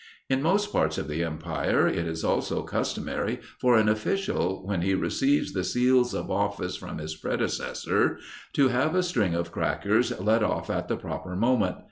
In most parts of the empire it is also customary for an official, when he receives the seals of office from his predecessor, to have a string of crackers let off at the proper moment.